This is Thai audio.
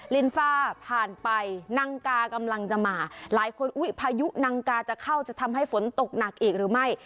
ลินฟ้าผ่านไปนังกากำลังจะมาหลายคนอุ๊ยพายุนังกาจะเข้าจะทำให้ฝนตกหนักอีกหรือไม่